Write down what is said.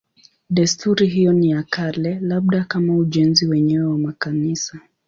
Desturi hiyo ni ya kale, labda kama ujenzi wenyewe wa makanisa.